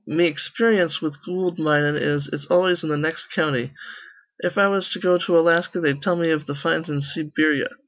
"Me experyence with goold minin' is it's always in th' nex' county. If I was to go to Alaska, they'd tell me iv th' finds in Seeberya.